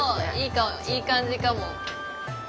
いい感じかも。